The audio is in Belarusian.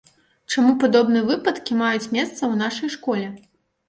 Чаму падобныя выпадкі маюць месца ў нашай школе?